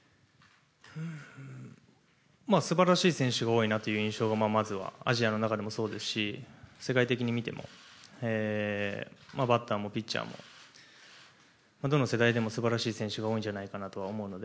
素晴らしい選手が多いなという印象がまずはアジアの中でもそうですし世代的に見てもバッターもピッチャーもどの世代でも素晴らしい選手が多いのではと思うので。